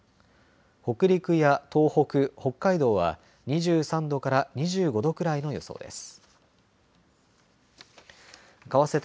北陸や東北、北海道は２３度から２５度くらいの予想です。